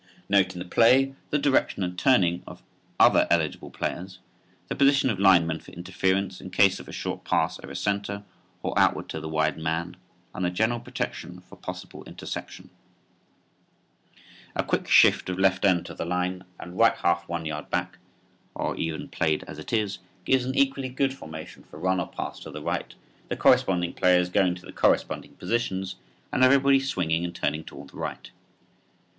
Note in the play the direction and turning of other eligible players, the position of line men for interference in case of a short pass over center or outward to the wide man and the general protection for possible interception. [Illustration: FIG 1. Punt Formation Pass.] [Illustration: FIG. 2. Undesirable Pass.] A quick shift of left end to the line and right half one yard back (or even played as it is) gives an equally good formation for run or pass to the right, the corresponding players going to the corresponding positions and everybody swinging and turning toward the right.